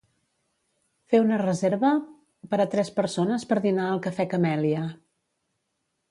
Fer una reserva per a tres persones per dinar al Cafè Camèlia.